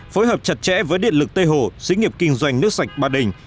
phối hợp chặt chẽ với điện lực tây hồ sĩ nghiệp kinh doanh nước sạch ba đình